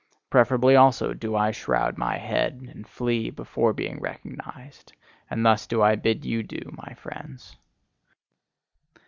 Preferably also do I shroud my head, and flee, before being recognised: and thus do I bid you do, my friends!